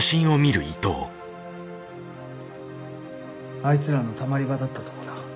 あいつらのたまり場だったとこだ。